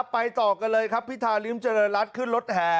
ไปต่อกันเลยครับพิธาริมเจริญรัฐขึ้นรถแห่